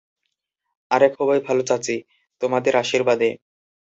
আরে খুবই ভালো চাচী, তোমাদের আশীর্বাদে।